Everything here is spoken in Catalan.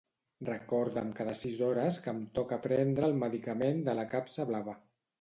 Recorda'm cada sis hores que em toca prendre el medicament de la capsa blava.